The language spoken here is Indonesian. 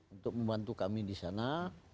untuk membantu kami di sana